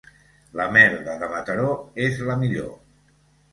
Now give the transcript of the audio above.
La merda de Mataró és la millor.